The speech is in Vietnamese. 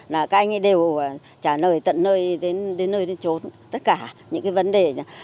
là các anh ấy đều trả lời tận nơi đến nơi đến trốn tất cả những cái vấn đề